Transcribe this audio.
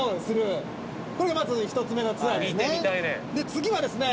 次はですね